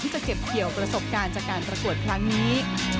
จะเก็บเกี่ยวประสบการณ์จากการประกวดครั้งนี้